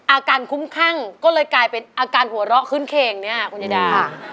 อาการคุ้มคั่งก็เลยกลายเป็นอาการหัวเราะขึ้นเข่งเนี่ยคุณยายดาค่ะ